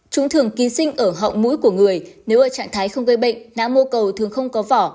chúng thường ký sinh ở họng mũi của người nếu ở trạng thái không gây bệnh nạ mô cầu thường không có vỏ